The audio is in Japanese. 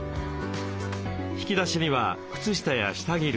引き出しには靴下や下着類。